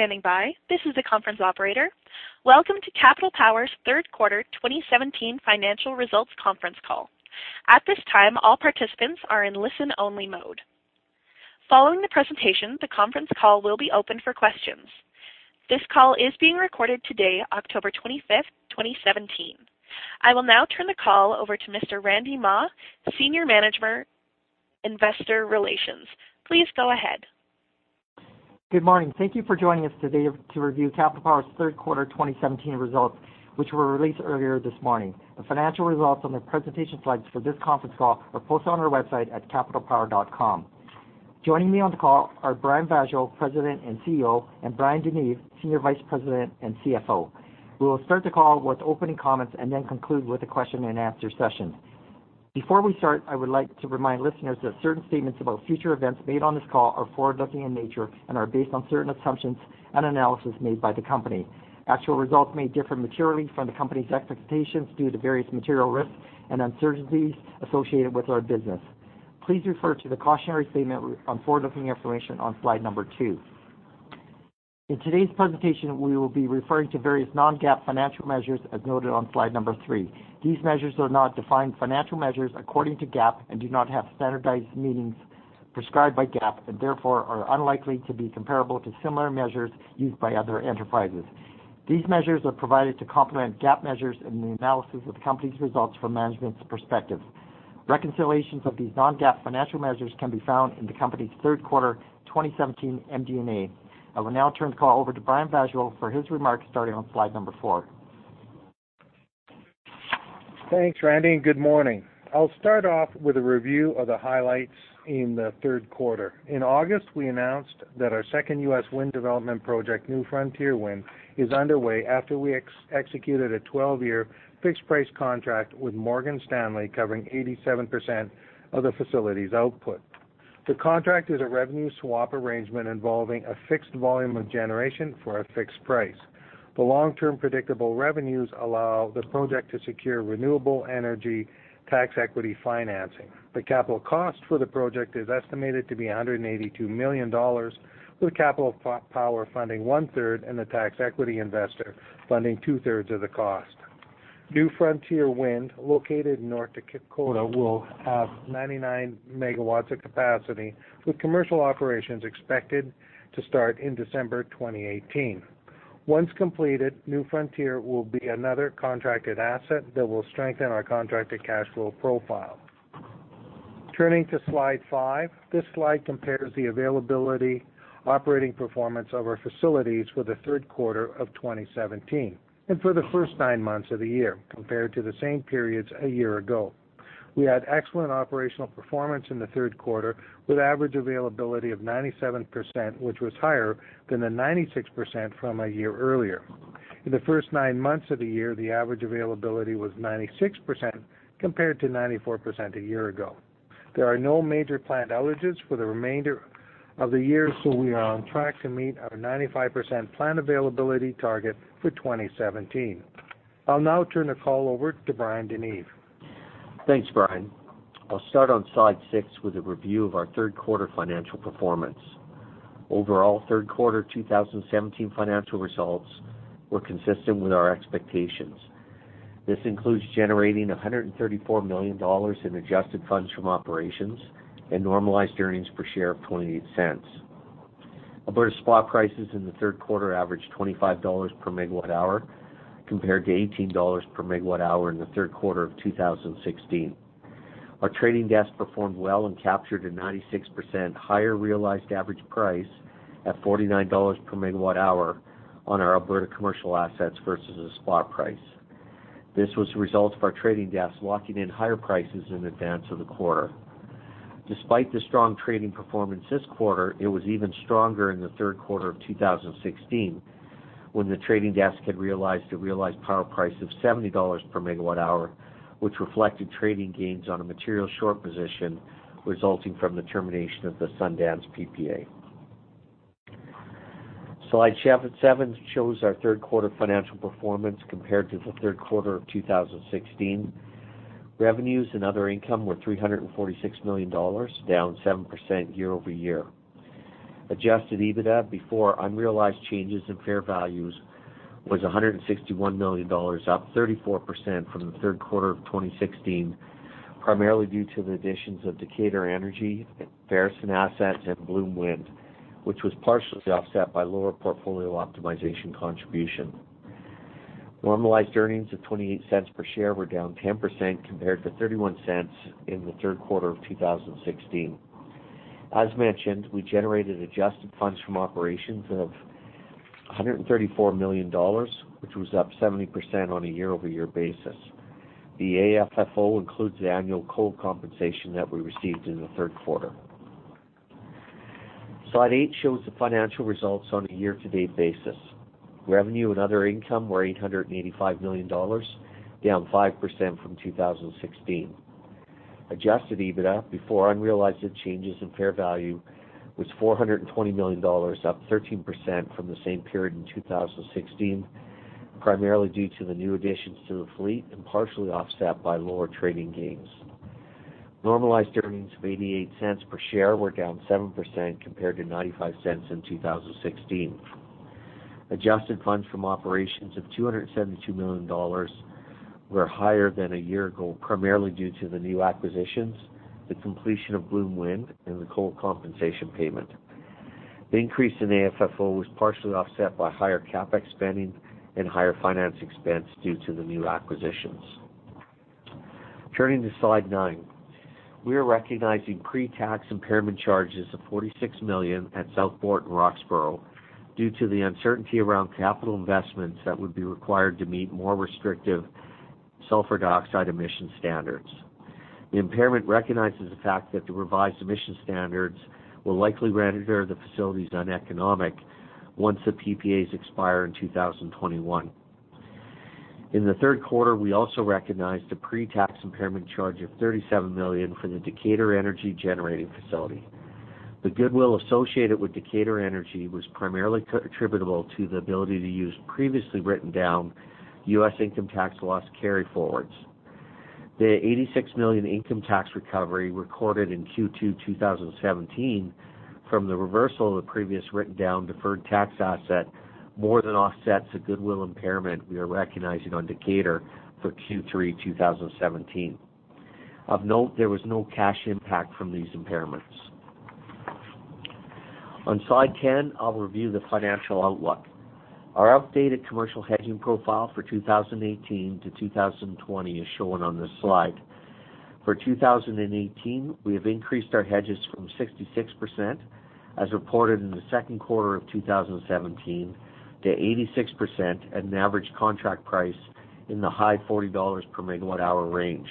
Thank you for standing by. This is the conference operator. Welcome to Capital Power's third quarter 2017 financial results conference call. At this time, all participants are in listen-only mode. Following the presentation, the conference call will be open for questions. This call is being recorded today, October 25th, 2017. I will now turn the call over to Mr. Randy Mah, Senior Manager, Investor Relations. Please go ahead. Good morning. Thank you for joining us today to review Capital Power's third quarter 2017 results, which were released earlier this morning. The financial results on the presentation slides for this conference call are posted on our website at capitalpower.com. Joining me on the call are Brian Vaasjo, President and CEO, and Bryan DeNeve, Senior Vice President and CFO. We will start the call with opening comments and then conclude with a question-and-answer session. Before we start, I would like to remind listeners that certain statements about future events made on this call are forward-looking in nature and are based on certain assumptions and analysis made by the company. Actual results may differ materially from the company's expectations due to various material risks and uncertainties associated with our business. Please refer to the cautionary statement on forward-looking information on slide number two. In today's presentation, we will be referring to various non-GAAP financial measures as noted on slide number three. These measures are not defined financial measures according to GAAP and do not have standardized meanings prescribed by GAAP and therefore are unlikely to be comparable to similar measures used by other enterprises. These measures are provided to complement GAAP measures in the analysis of the company's results from management's perspective. Reconciliations of these non-GAAP financial measures can be found in the company's third quarter 2017 MD&A. I will now turn the call over to Brian Vaasjo for his remarks, starting on slide number four. Thanks, Randy, and good morning. I'll start off with a review of the highlights in the third quarter. In August, we announced that our second U.S. wind development project, New Frontier Wind, is underway after we executed a 12-year fixed-price contract with Morgan Stanley covering 87% of the facility's output. The contract is a revenue swap arrangement involving a fixed volume of generation for a fixed price. The long-term predictable revenues allow the project to secure renewable energy tax equity financing. The capital cost for the project is estimated to be 182 million dollars, with Capital Power funding one-third and the tax equity investor funding two-thirds of the cost. New Frontier Wind, located in North Dakota, will have 99 megawatts of capacity, with commercial operations expected to start in December 2018. Once completed, New Frontier will be another contracted asset that will strengthen our contracted cash flow profile. Turning to slide five, this slide compares the availability operating performance of our facilities for the third quarter of 2017 and for the first nine months of the year compared to the same periods a year ago. We had excellent operational performance in the third quarter with average availability of 97%, which was higher than the 96% from a year earlier. In the first nine months of the year, the average availability was 96% compared to 94% a year ago. There are no major plant outages for the remainder of the year, we are on track to meet our 95% plant availability target for 2017. I will now turn the call over to Bryan DeNeve. Thanks, Brian. I will start on slide six with a review of our third-quarter financial performance. Overall, third quarter 2017 financial results were consistent with our expectations. This includes generating 134 million dollars in adjusted funds from operations and normalized earnings per share of 0.28. Alberta spot prices in the third quarter averaged 25 dollars per megawatt hour, compared to 18 dollars per megawatt hour in the third quarter of 2016. Our trading desk performed well and captured a 96% higher realized average price at 49 dollars per megawatt hour on our Alberta commercial assets versus the spot price. This was the result of our trading desk locking in higher prices in advance of the quarter. Despite the strong trading performance this quarter, it was even stronger in the third quarter of 2016 when the trading desk had realized a realized power price of 70 dollars per megawatt hour, which reflected trading gains on a material short position resulting from the termination of the Sundance PPA. Slide seven shows our third-quarter financial performance compared to the third quarter of 2016. Revenues and other income were 346 million dollars, down 7% year-over-year. Adjusted EBITDA before unrealized changes in fair values was 161 million dollars, up 34% from the third quarter of 2016, primarily due to the additions of Decatur Energy, Veresen assets, and Bloom Wind, which was partially offset by lower portfolio optimization contribution. Normalized earnings of 0.28 per share were down 10% compared to 0.31 in the third quarter of 2016. As mentioned, we generated adjusted funds from operations of 134 million dollars, which was up 70% on a year-over-year basis. The AFFO includes the annual coal compensation that we received in the third quarter. Slide eight shows the financial results on a year-to-date basis. Revenue and other income were 885 million dollars, down 5% from 2016. Adjusted EBITDA before unrealized changes in fair value was 420 million dollars, up 13% from the same period in 2016, primarily due to the new additions to the fleet and partially offset by lower trading gains. Normalized earnings of 0.88 per share were down 7% compared to 0.95 in 2016. Adjusted funds from operations of 272 million dollars were higher than a year ago, primarily due to the new acquisitions, the completion of Bloom Wind, and the coal compensation payment. The increase in AFFO was partially offset by higher CapEx spending and higher finance expense due to the new acquisitions. Turning to slide 9. We are recognizing pre-tax impairment charges of 46 million at Southport and Roxboro due to the uncertainty around capital investments that would be required to meet more restrictive sulfur dioxide emission standards. The impairment recognizes the fact that the revised emission standards will likely render the facilities uneconomic once the PPAs expire in 2021. In the third quarter, we also recognized a pre-tax impairment charge of 37 million for the Decatur Energy generating facility. The goodwill associated with Decatur Energy was primarily attributable to the ability to use previously written down U.S. income tax loss carryforwards. The 86 million income tax recovery recorded in Q2 2017 from the reversal of the previous written-down deferred tax asset more than offsets the goodwill impairment we are recognizing on Decatur for Q3 2017. Of note, there was no cash impact from these impairments. On slide 10, I'll review the financial outlook. Our updated commercial hedging profile for 2018 to 2020 is shown on this slide. For 2018, we have increased our hedges from 66%, as reported in the second quarter of 2017, to 86% at an average contract price in the high 40 dollars per megawatt-hour range.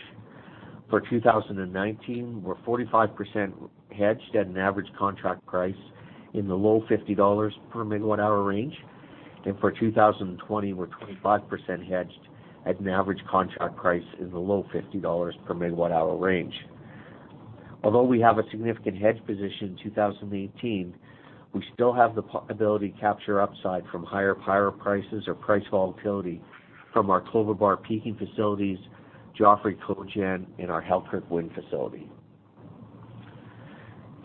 For 2019, we're 45% hedged at an average contract price in the low 50 dollars per megawatt-hour range. For 2020, we're 25% hedged at an average contract price in the low 50 dollars per megawatt-hour range. Although we have a significant hedge position in 2018, we still have the ability to capture upside from higher power prices or price volatility from our Clover Bar peaking facilities, Joffre Cogeneration, and our Halkirk Wind facility.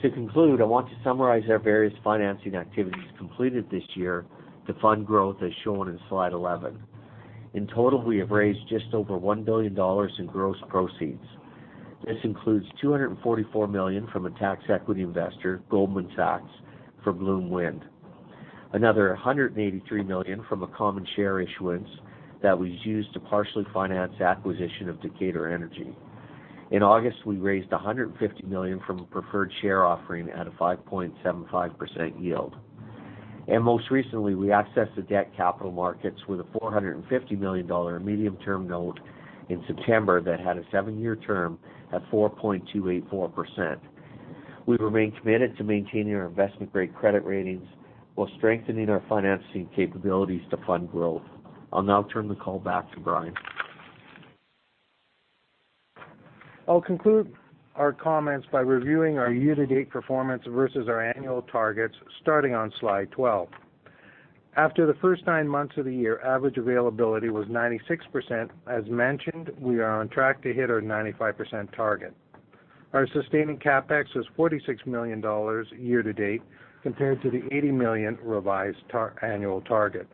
To conclude, I want to summarize our various financing activities completed this year to fund growth as shown in slide 11. In total, we have raised just over 1 billion dollars in gross proceeds. This includes 244 million from a tax equity investor, Goldman Sachs, for Bloom Wind. Another 183 million from a common share issuance that was used to partially finance acquisition of Decatur Energy. In August, we raised 150 million from a preferred share offering at a 5.75% yield. Most recently, we accessed the debt capital markets with a 450 million dollar medium-term note in September that had a seven-year term at 4.284%. We remain committed to maintaining our investment-grade credit ratings while strengthening our financing capabilities to fund growth. I'll now turn the call back to Brian. I'll conclude our comments by reviewing our year-to-date performance versus our annual targets, starting on slide 12. After the first nine months of the year, average availability was 96%. As mentioned, we are on track to hit our 95% target. Our sustaining CapEx was 46 million dollars year to date compared to the 80 million revised annual target.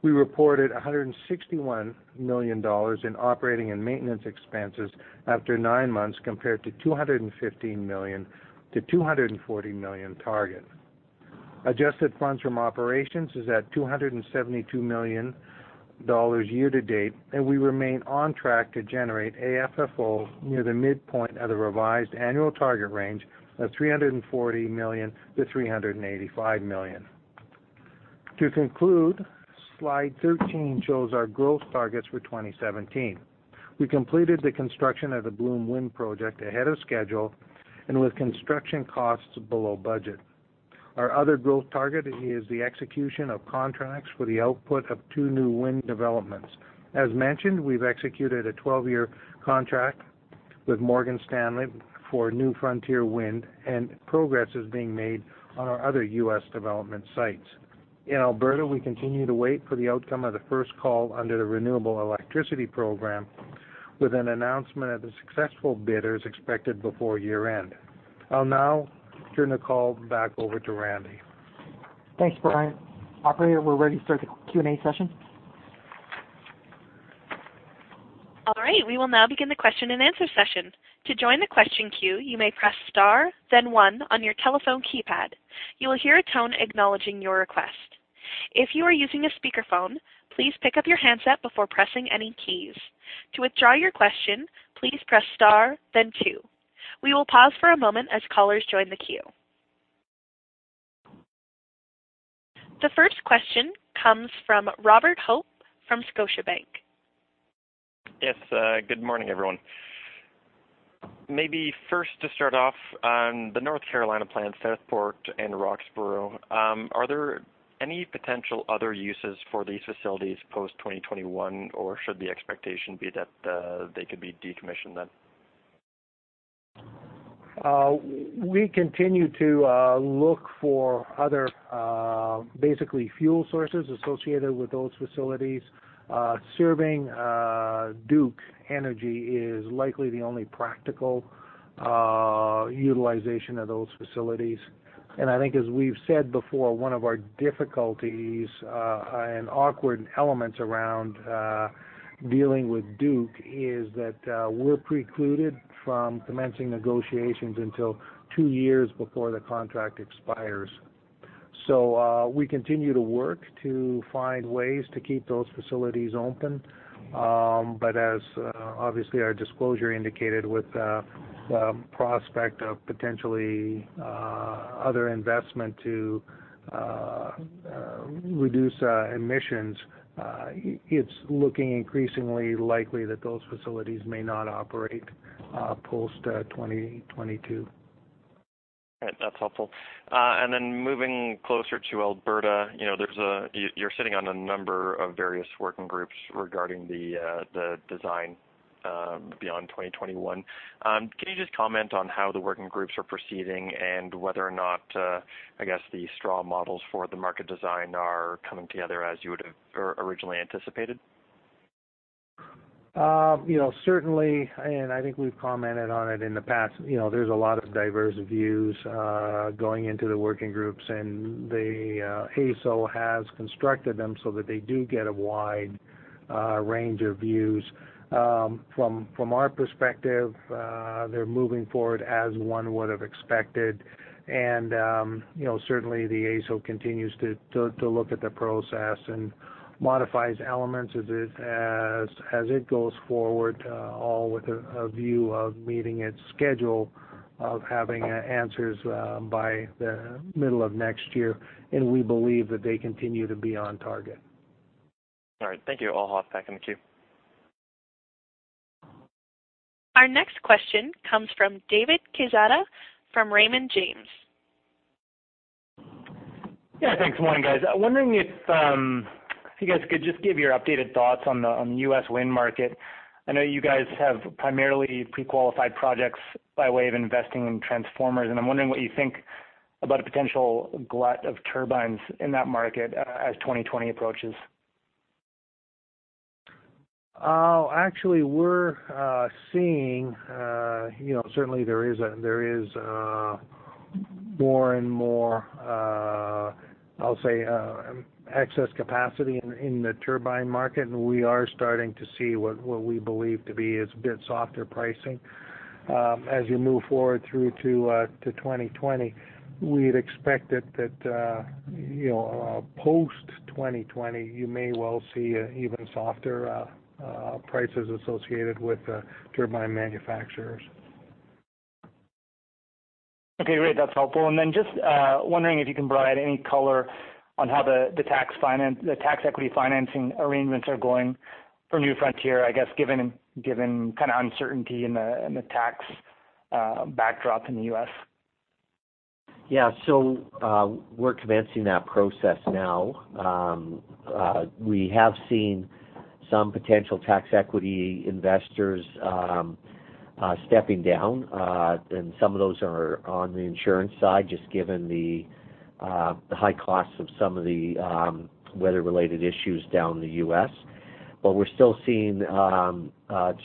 We reported 161 million dollars in operating and maintenance expenses after nine months compared to 215 million-240 million target. Adjusted funds from operations is at 272 million dollars year to date, and we remain on track to generate AFFO near the midpoint of the revised annual target range of 340 million-385 million. To conclude, slide 13 shows our growth targets for 2017. We completed the construction of the Bloom Wind Project ahead of schedule and with construction costs below budget. Our other growth target is the execution of contracts for the output of two new wind developments. As mentioned, we've executed a 12-year contract with Morgan Stanley for New Frontier Wind, and progress is being made on our other U.S. development sites. In Alberta, we continue to wait for the outcome of the first call under the Renewable Electricity Program, with an announcement of the successful bidders expected before year-end. I'll now turn the call back over to Randy. Thanks, Bryan. Operator, we're ready to start the Q&A session. All right. We will now begin the question and answer session. To join the question queue, you may press star then one on your telephone keypad. You will hear a tone acknowledging your request. If you are using a speakerphone, please pick up your handset before pressing any keys. To withdraw your question, please press star then two. We will pause for a moment as callers join the queue. The first question comes from Robert Hope from Scotiabank. Yes. Good morning, everyone. Maybe first to start off on the North Carolina plant, Southport and Roxboro. Are there any potential other uses for these facilities post 2021? Or should the expectation be that they could be decommissioned then? We continue to look for other basically fuel sources associated with those facilities. Serving Duke Energy is likely the only practical utilization of those facilities. I think as we've said before, one of our difficulties and awkward elements around dealing with Duke is that we're precluded from commencing negotiations until two years before the contract expires. We continue to work to find ways to keep those facilities open. As obviously our disclosure indicated with the prospect of potentially other investment to reduce emissions, it's looking increasingly likely that those facilities may not operate post-2022. Right. That's helpful. Moving closer to Alberta, you're sitting on a number of various working groups regarding the design beyond 2021. Can you just comment on how the working groups are proceeding and whether or not, I guess, the straw models for the market design are coming together as you would have originally anticipated? Certainly, I think we've commented on it in the past, there's a lot of diverse views going into the working groups, and the AESO has constructed them so that they do get a wide range of views. From our perspective, they're moving forward as one would have expected. Certainly, the AESO continues to look at the process and modifies elements as it goes forward, all with a view of meeting its schedule of having answers by the middle of next year. We believe that they continue to be on target. All right. Thank you. I'll hop back in the queue. Our next question comes from David Quezada from Raymond James. Yeah, thanks. Morning, guys. I'm wondering if you guys could just give your updated thoughts on the U.S. wind market. I know you guys have primarily pre-qualified projects by way of investing in transformers, and I'm wondering what you think about a potential glut of turbines in that market as 2020 approaches. Actually, we're seeing certainly there is more and more, I'll say, excess capacity in the turbine market, and we are starting to see what we believe to be is a bit softer pricing. As you move forward through to 2020, we'd expect that post-2020, you may well see even softer prices associated with turbine manufacturers. Okay, great. That's helpful. Just wondering if you can provide any color on how the tax equity financing arrangements are going for New Frontier, I guess, given kind of uncertainty in the tax backdrop in the U.S. We're commencing that process now. We have seen some potential tax equity investors stepping down, and some of those are on the insurance side, just given the high costs of some of the weather-related issues down in the U.S. We're still seeing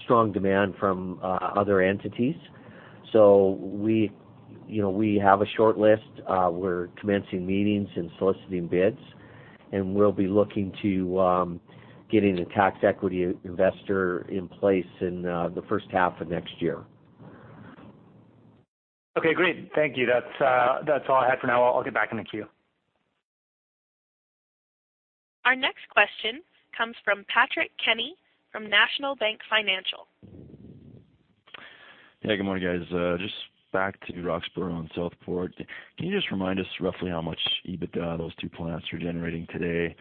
strong demand from other entities. We have a short list. We're commencing meetings and soliciting bids, and we'll be looking to getting a tax equity investor in place in the first half of next year. Okay, great. Thank you. That's all I had for now. I'll get back in the queue. Our next question comes from Patrick Kenny from National Bank Financial. Hey, good morning, guys. Just back to Roxboro and Southport. Can you just remind us roughly how much EBITDA those two plants are generating today?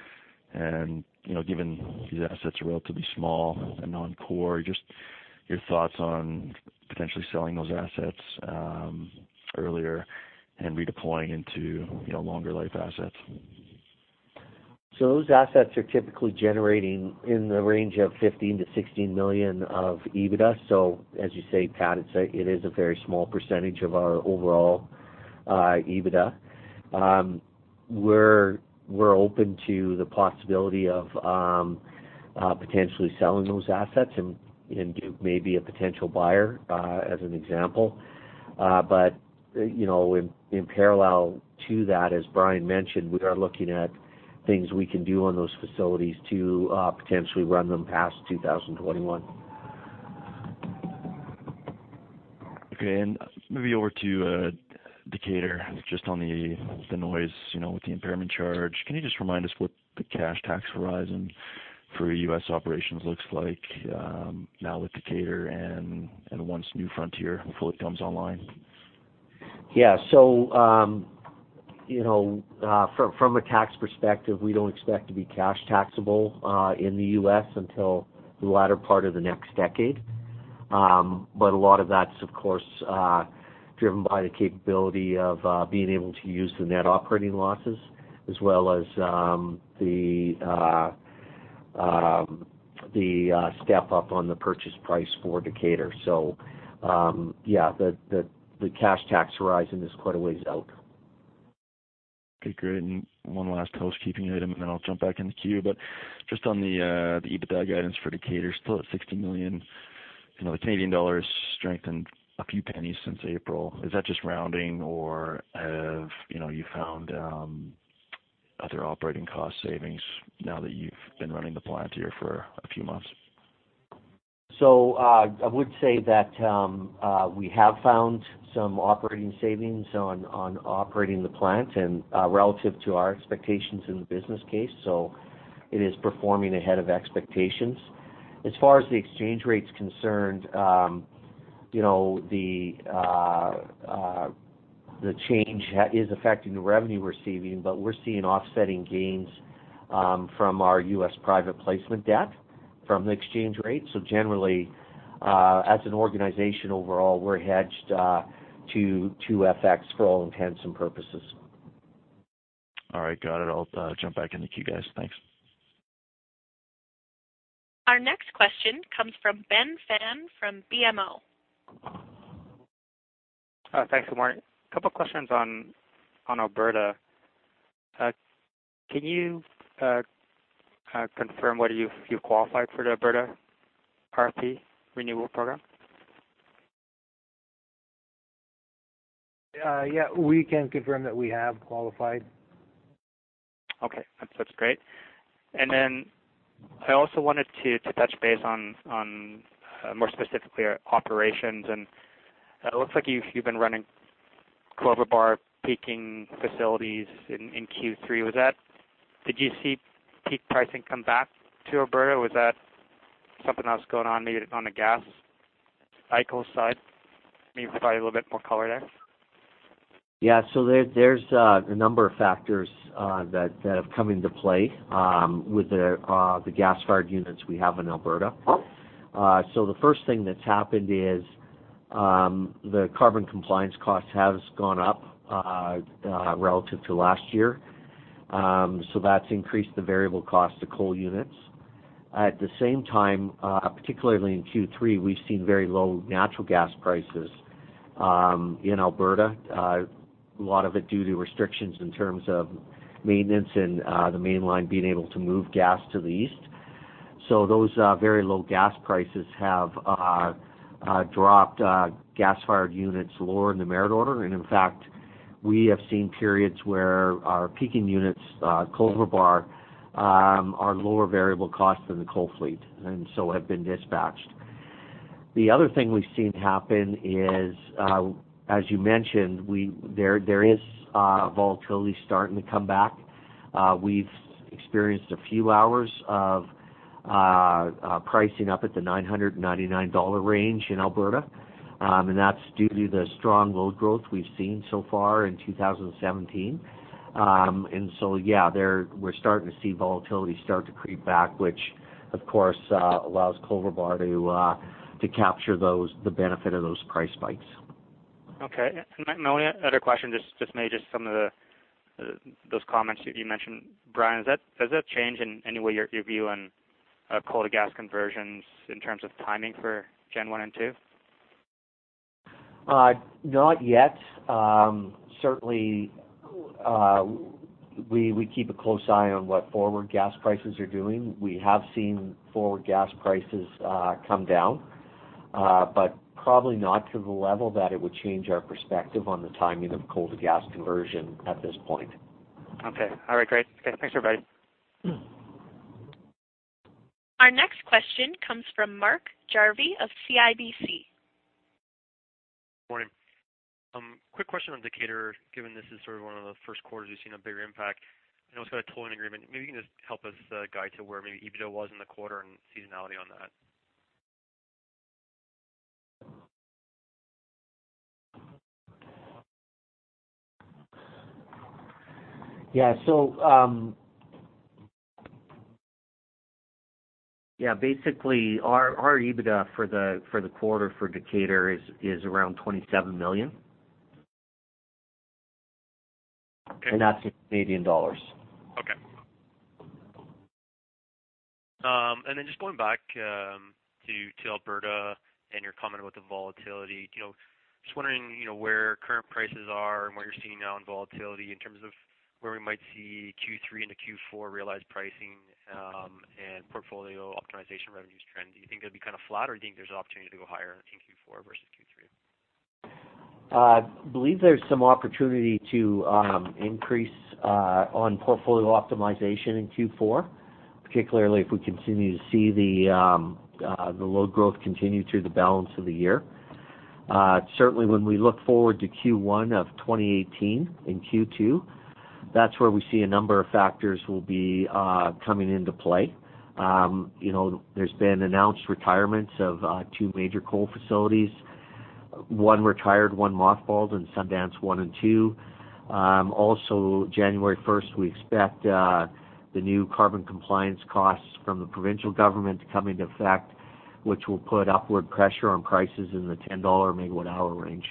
Given these assets are relatively small and non-core, just your thoughts on potentially selling those assets earlier and redeploying into longer life assets. Those assets are typically generating in the range of 15 million-16 million of EBITDA. As you say, Pat, it is a very small percentage of our overall EBITDA. We're open to the possibility of potentially selling those assets. Duke may be a potential buyer, as an example. In parallel to that, as Brian mentioned, we are looking at things we can do on those facilities to potentially run them past 2021. Maybe over to Decatur, just on the noise, with the impairment charge. Can you just remind us what the cash tax horizon for U.S. operations looks like now with Decatur and once New Frontier fully comes online? From a tax perspective, we don't expect to be cash taxable in the U.S. until the latter part of the next decade. A lot of that's, of course, driven by the capability of being able to use the net operating losses as well as the The step up on the purchase price for Decatur. The cash tax horizon is quite a ways out. Okay, great. One last housekeeping item and then I'll jump back in the queue, just on the EBITDA guidance for Decatur, still at 60 million. The Canadian dollar has strengthened a few pennies since April. Is that just rounding or have you found other operating cost savings now that you've been running the plant here for a few months? I would say that we have found some operating savings on operating the plant and relative to our expectations in the business case. It is performing ahead of expectations. As far as the exchange rate's concerned, the change is affecting the revenue we're seeing, but we're seeing offsetting gains from our U.S. private placement debt from the exchange rate. Generally, as an organization overall, we're hedged to FX for all intents and purposes. All right, got it. I'll jump back in the queue, guys. Thanks. Our next question comes from Ben Pham from BMO. Thanks. Good morning. A couple questions on Alberta. Can you confirm whether you've qualified for the Alberta REP renewal program? Yeah, we can confirm that we have qualified. Okay. That's great. I also wanted to touch base on more specifically operations and it looks like you've been running Clover Bar peaking facilities in Q3. Did you see peak pricing come back to Alberta or was that something else going on maybe on the gas cycle side? Maybe provide a little bit more color there. Yeah. There's a number of factors that have come into play with the gas-fired units we have in Alberta. The first thing that's happened is the carbon compliance cost has gone up relative to last year. That's increased the variable cost to coal units. At the same time, particularly in Q3, we've seen very low natural gas prices in Alberta. A lot of it due to restrictions in terms of maintenance and the main line being able to move gas to the east. Those very low gas prices have dropped gas-fired units lower in the merit order. In fact, we have seen periods where our peaking units, Cloverbar, are lower variable cost than the coal fleet and have been dispatched. The other thing we've seen happen is, as you mentioned, there is volatility starting to come back. We've experienced a few hours of pricing up at the 999 dollar range in Alberta. That's due to the strong load growth we've seen so far in 2017. Yeah, we're starting to see volatility start to creep back, which of course allows Cloverbar to capture the benefit of those price spikes. Okay. My only other question, just maybe some of those comments that you mentioned, Bryan, does that change in any way your view on coal to gas conversions in terms of timing for Genesee 1 and 2? Not yet. Certainly, we keep a close eye on what forward gas prices are doing. We have seen forward gas prices come down. Probably not to the level that it would change our perspective on the timing of coal to gas conversion at this point. Okay. All right, great. Thanks, everybody. Our next question comes from Mark Jarvi of CIBC. Morning. Quick question on Decatur, given this is sort of one of the first quarters you've seen a bigger impact. I know it's got a tolling agreement. Maybe you can just help us guide to where maybe EBITDA was in the quarter and seasonality on that. Yeah, basically our EBITDA for the quarter for Decatur is around 27 million. Okay. That's in Canadian dollars. Just going back to Alberta and your comment about the volatility. Just wondering where current prices are and what you're seeing now in volatility in terms of where we might see Q3 into Q4 realized pricing and portfolio optimization revenues trend. Do you think they'll be kind of flat or do you think there's an opportunity to go higher in Q4 versus Q3? I believe there's some opportunity to increase on portfolio optimization in Q4. Particularly if we continue to see the load growth continue through the balance of the year. Certainly, when we look forward to Q1 of 2018 and Q2, that's where we see a number of factors will be coming into play. There's been announced retirements of two major coal facilities. One retired, one mothballed in Sundance 1 and 2. Also January 1st, we expect the new carbon compliance costs from the provincial government to come into effect, which will put upward pressure on prices in the 10 dollar megawatt-hour range.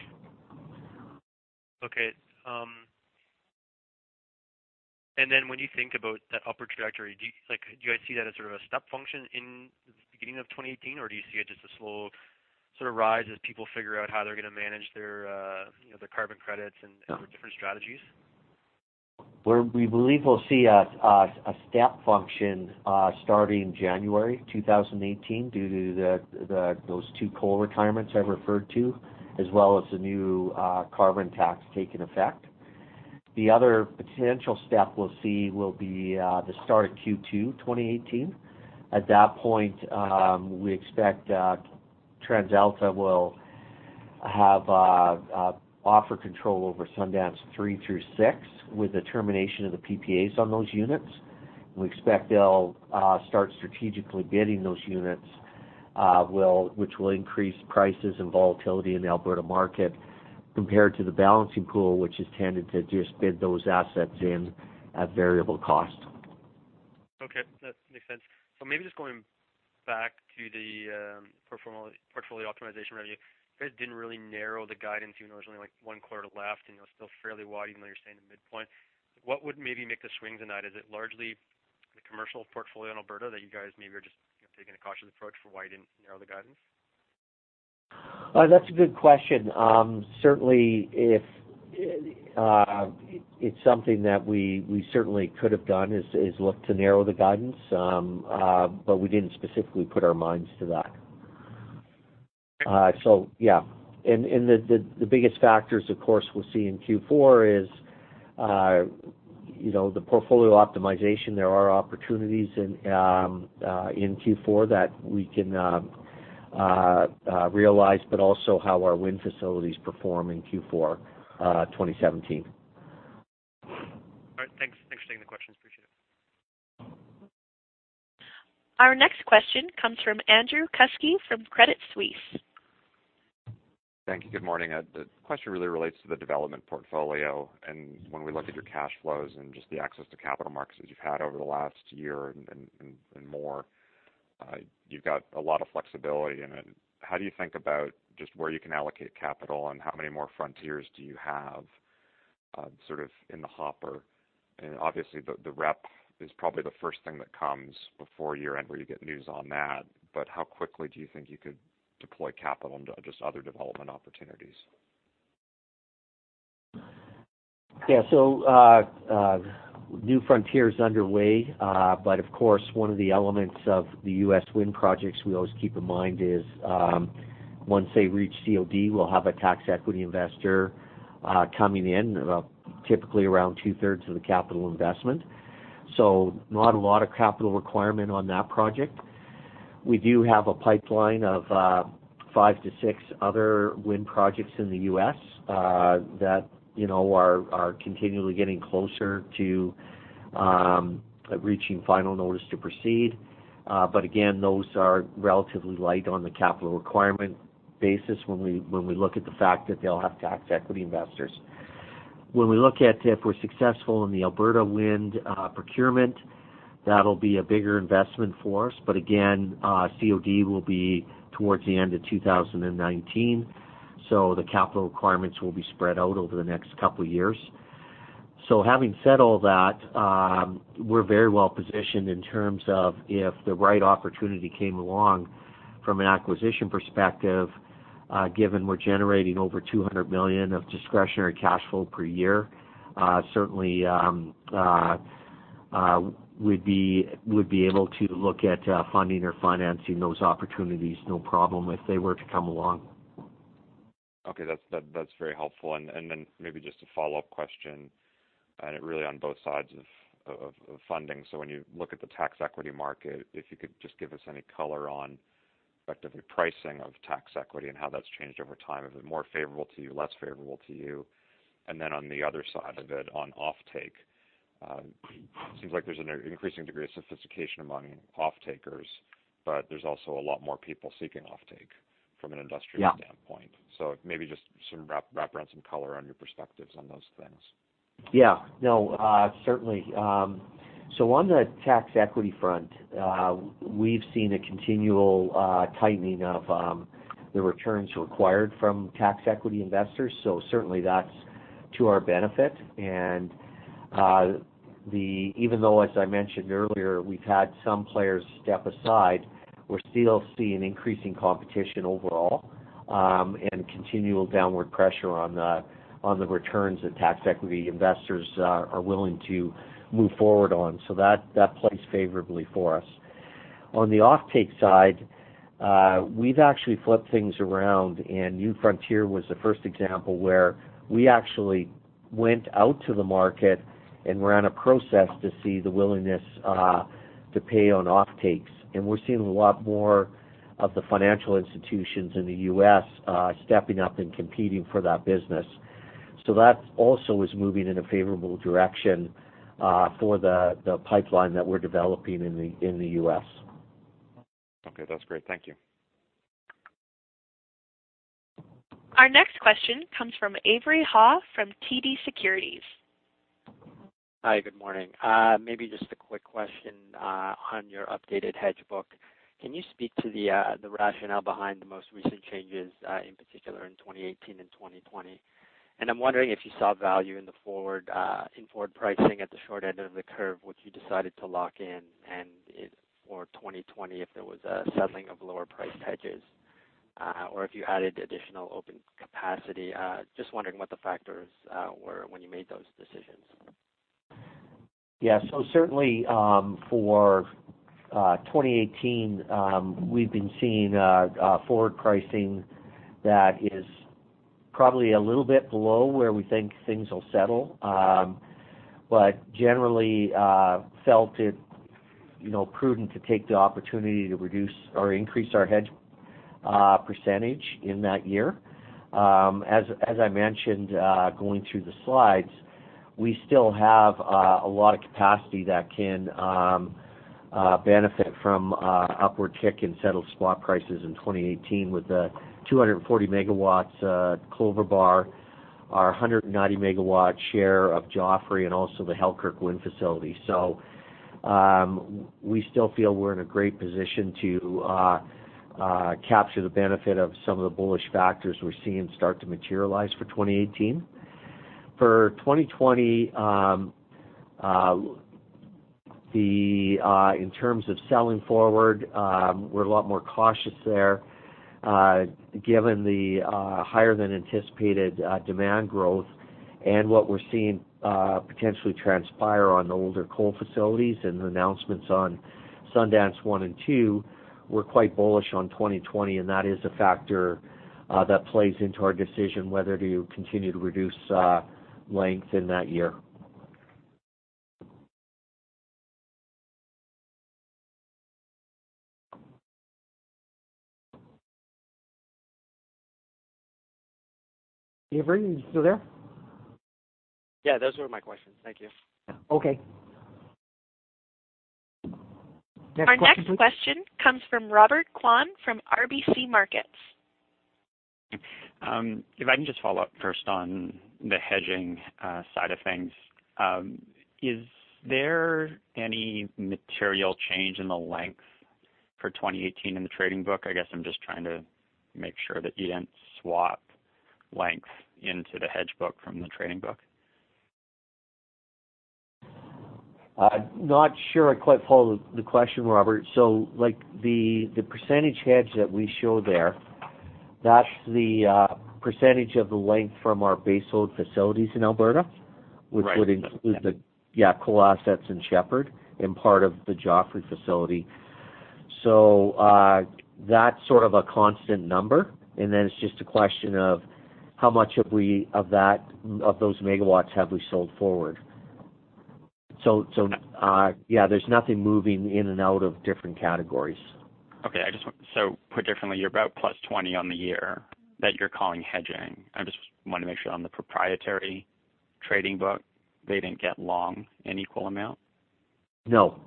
When you think about that upper trajectory, do you guys see that as sort of a step function in the beginning of 2018? Or do you see it just a slow sort of rise as people figure out how they're going to manage their carbon credits and different strategies? We believe we'll see a step function starting January 2018 due to those two coal retirements I referred to, as well as the new carbon tax taking effect. The other potential step we'll see will be the start of Q2 2018. At that point, we expect TransAlta will have offer control over Sundance 3 through 6 with the termination of the PPAs on those units. We expect they'll start strategically bidding those units, which will increase prices and volatility in the Alberta market compared to the Balancing Pool, which has tended to just bid those assets in at variable cost. That makes sense. Maybe just going back to the portfolio optimization review. You guys didn't really narrow the guidance, even though there's only one quarter left, and you're still fairly wide even though you're staying at midpoint. What would maybe make the swing tonight? Is it largely the commercial portfolio in Alberta that you guys maybe are just taking a cautious approach for why you didn't narrow the guidance? That's a good question. It's something that we certainly could have done, is look to narrow the guidance. We didn't specifically put our minds to that. The biggest factors, of course, we'll see in Q4 is the portfolio optimization. There are opportunities in Q4 that we can realize, but also how our wind facilities perform in Q4 2017. All right. Thanks for taking the questions. Appreciate it. Our next question comes from Andrew Kuske from Credit Suisse. Thank you. Good morning. The question really relates to the development portfolio, and when we look at your cash flows and just the access to capital markets you've had over the last year and more. You've got a lot of flexibility in it. How do you think about just where you can allocate capital, and how many more frontiers do you have sort of in the hopper? Obviously, the REP is probably the first thing that comes before year-end, where you get news on that. How quickly do you think you could deploy capital into just other development opportunities? New Frontier is underway. Of course, one of the elements of the U.S. wind projects we always keep in mind is, once they reach COD, we'll have a tax equity investor coming in, typically around two-thirds of the capital investment. Not a lot of capital requirement on that project. We do have a pipeline of five to six other wind projects in the U.S. that are continually getting closer to reaching final notice to proceed. Again, those are relatively light on the capital requirement basis when we look at the fact that they'll have tax equity investors. When we look at if we're successful in the Alberta wind procurement, that'll be a bigger investment for us. Again, COD will be towards the end of 2019, so the capital requirements will be spread out over the next couple of years. Having said all that, we're very well-positioned in terms of if the right opportunity came along from an acquisition perspective, given we're generating over 200 million of discretionary cash flow per year. Certainly, we'd be able to look at funding or financing those opportunities, no problem, if they were to come along. Okay. That's very helpful. Maybe just a follow-up question, really on both sides of funding. When you look at the tax equity market, if you could just give us any color on effectively pricing of tax equity and how that's changed over time. Is it more favorable to you, less favorable to you? On the other side of it, on offtake. It seems like there's an increasing degree of sophistication among offtakers, but there's also a lot more people seeking offtake from an industrial- Yeah standpoint. Maybe just some wrap around some color on your perspectives on those things. Yeah. No, certainly. On the tax equity front, we've seen a continual tightening of the returns required from tax equity investors. Certainly, that's to our benefit. Even though, as I mentioned earlier, we've had some players step aside, we're still seeing increasing competition overall, and continual downward pressure on the returns that tax equity investors are willing to move forward on. That plays favorably for us. On the offtake side, we've actually flipped things around. New Frontier was the first example where we actually went out to the market and ran a process to see the willingness to pay on offtakes. We're seeing a lot more of the financial institutions in the U.S. stepping up and competing for that business. That also is moving in a favorable direction for the pipeline that we're developing in the U.S. Okay. That's great. Thank you. Our next question comes from Andy He from TD Securities. Hi, good morning. Maybe just a quick question on your updated hedge book. Can you speak to the rationale behind the most recent changes, in particular in 2018 and 2020? I'm wondering if you saw value in forward pricing at the short end of the curve, which you decided to lock in. For 2020, if there was a settling of lower-priced hedges, or if you added additional open capacity. Just wondering what the factors were when you made those decisions. Certainly, for 2018, we've been seeing forward pricing that is probably a little bit below where we think things will settle. Generally, felt it prudent to take the opportunity to reduce or increase our hedge percentage in that year. As I mentioned, going through the slides, we still have a lot of capacity that can benefit from an upward tick in settled spot prices in 2018 with the 240 MW at Clover Bar, our 190-MW share of Joffre, and also the Halkirk Wind facility. We still feel we're in a great position to capture the benefit of some of the bullish factors we're seeing start to materialize for 2018. For 2020, in terms of selling forward, we're a lot more cautious there. Given the higher-than-anticipated demand growth and what we're seeing potentially transpire on the older coal facilities and the announcements on Sundance 1 and 2, we're quite bullish on 2020. That is a factor that plays into our decision whether to continue to reduce length in that year. Andy, are you still there? Yeah, those were my questions. Thank you. Okay. Next question, please. Our next question comes from Robert Kwan from RBC Capital Markets. If I can just follow up first on the hedging side of things. Is there any material change in the length for 2018 in the trading book? I guess I'm just trying to make sure that you didn't swap length into the hedge book from the trading book. Not sure I quite follow the question, Robert. The percentage hedge that we show there, that's the percentage of the length from our baseload facilities in Alberta- Right which would include the coal assets in Shepard and part of the Joffre facility. That's sort of a constant number, and then it's just a question of how much of those megawatts have we sold forward. Yeah, there's nothing moving in and out of different categories. Okay. Put differently, you're about +20% on the year that you're calling hedging. I just wanted to make sure on the proprietary trading book, they didn't get long an equal amount. No.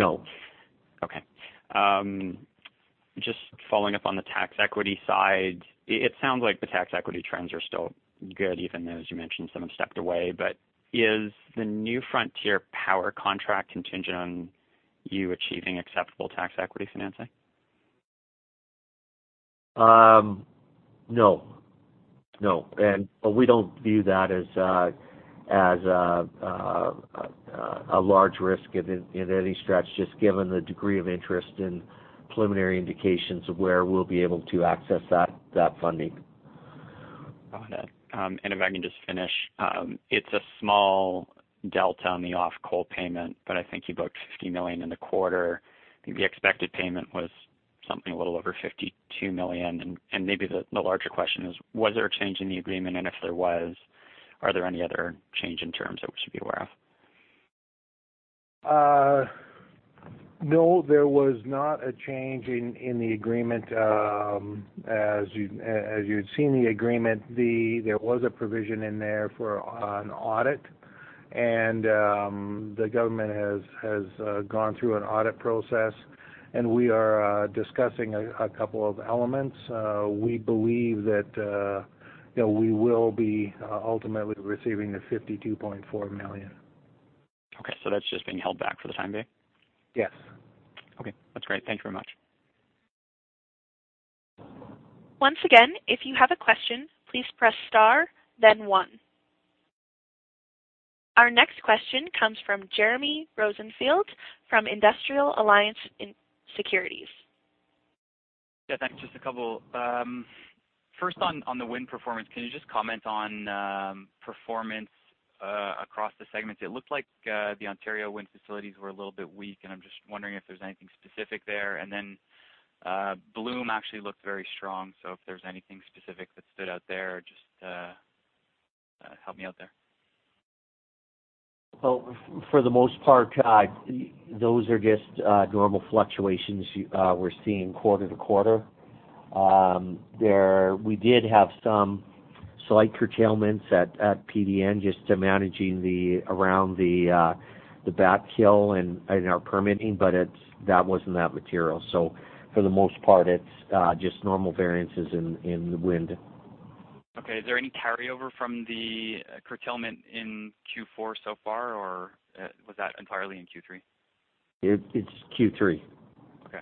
Okay. Just following up on the tax equity side. It sounds like the tax equity trends are still good, even though, as you mentioned, some have stepped away. Is the New Frontier Wind contract contingent on you achieving acceptable tax equity financing? No. We don't view that as a large risk in any stretch, just given the degree of interest in preliminary indications of where we'll be able to access that funding. Got it. If I can just finish. It's a small delta on the off-coal payment, but I think you booked 50 million in the quarter. I think the expected payment was something a little over 52 million. Maybe the larger question is, was there a change in the agreement? If there was, are there any other change in terms that we should be aware of? No, there was not a change in the agreement. As you'd seen the agreement, there was a provision in there for an audit. The government has gone through an audit process, and we are discussing a couple of elements. We believe that we will be ultimately receiving the 52.4 million. Okay, that's just being held back for the time being? Yes. Okay. That's great. Thank you very much. Once again, if you have a question, please press star, then one. Our next question comes from Jeremy Rosenfield from Industrial Alliance Securities. Yeah, thanks. Just a couple. First, on the wind performance, can you just comment on performance across the segments? It looked like the Ontario wind facilities were a little bit weak, and I'm just wondering if there's anything specific there. Then Bloom actually looked very strong. If there's anything specific that stood out there, just help me out there. Well, for the most part, those are just normal fluctuations we're seeing quarter to quarter. We did have some slight curtailments at PDN, just to managing around the bat kill and our permitting. That wasn't that material. For the most part, it's just normal variances in the wind Okay. Is there any carryover from the curtailment in Q4 so far, or was that entirely in Q3? It's Q3. Okay.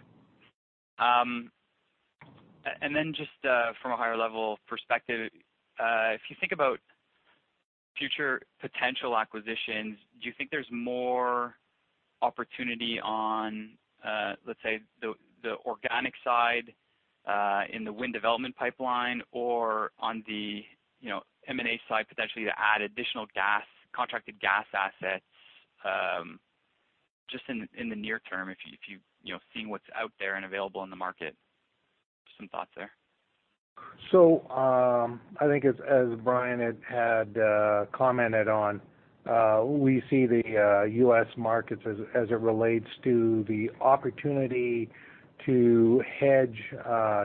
Just from a higher-level perspective, if you think about future potential acquisitions, do you think there's more opportunity on, let's say, the organic side in the wind development pipeline or on the M&A side, potentially, to add additional contracted gas assets just in the near term if you've seen what's out there and available in the market? Just some thoughts there. I think, as Brian had commented on, we see the U.S. markets as it relates to the opportunity to hedge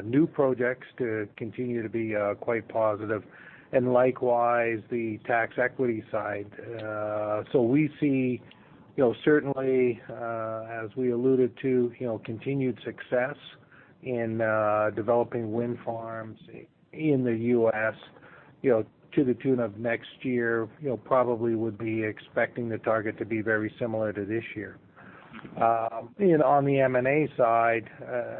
new projects to continue to be quite positive. Likewise, the tax equity side. We see, certainly, as we alluded to, continued success in developing wind farms in the U.S. to the tune of next year, probably would be expecting the target to be very similar to this year. On the M&A side,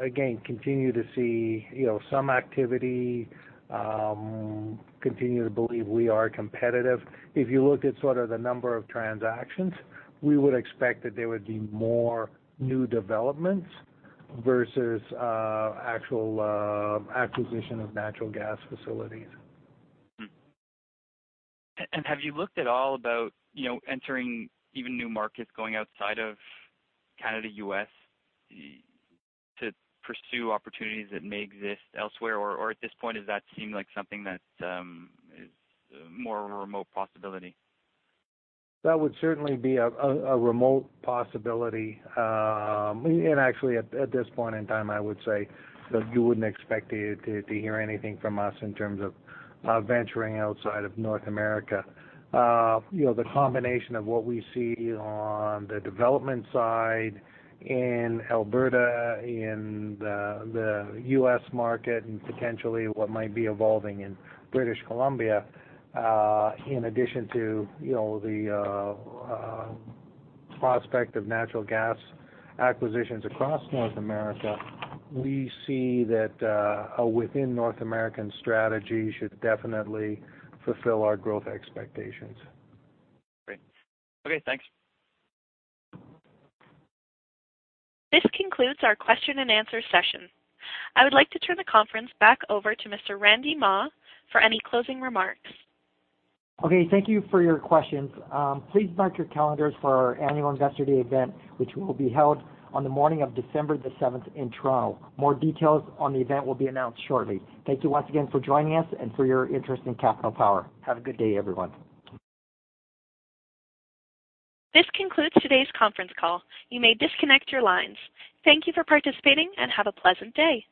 again, continue to see some activity, continue to believe we are competitive. If you look at sort of the number of transactions, we would expect that there would be more new developments versus actual acquisition of natural gas facilities. Have you looked at all about entering even new markets, going outside of Canada, U.S. to pursue opportunities that may exist elsewhere? Or at this point, does that seem like something that is more of a remote possibility? That would certainly be a remote possibility. Actually, at this point in time, I would say that you wouldn't expect to hear anything from us in terms of venturing outside of North America. The combination of what we see on the development side in Alberta, in the U.S. market, and potentially what might be evolving in British Columbia, in addition to the prospect of natural gas acquisitions across North America, we see that a within North American strategy should definitely fulfill our growth expectations. Great. Okay, thanks. This concludes our question and answer session. I would like to turn the conference back over to Mr. Randy Mah for any closing remarks. Okay, thank you for your questions. Please mark your calendars for our annual investor day event, which will be held on the morning of December the 7th in Toronto. More details on the event will be announced shortly. Thank you once again for joining us and for your interest in Capital Power. Have a good day, everyone. This concludes today's conference call. You may disconnect your lines. Thank you for participating, and have a pleasant day.